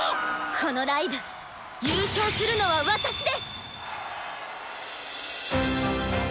この祭優勝するのは私です！